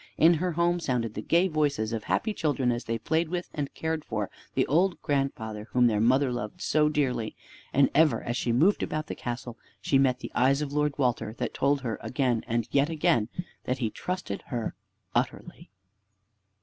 In her home sounded the gay voices of happy children as they played with, and cared for, the old grandfather whom their mother loved so dearly. And ever as she moved about the castle she met the eyes of Lord Walter, that told her again and yet again that he trusted her utterly.